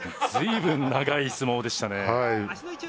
随分、長い相撲でしたね。